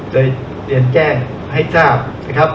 โดยเรียนแจ้งให้ทราบนะครับ